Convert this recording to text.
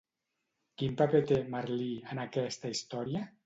Quin paper té, Merlí, en aquesta història?